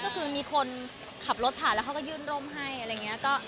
ก็คือมีคนขับรถผ่านแล้วเขาก็ยื่นร่มให้อะไรอย่างนี้